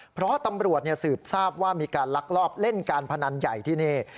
เพราะตำรวจสืบทราบว่ามีการลักลอบเล่นการพนันใหญ่ที่นี่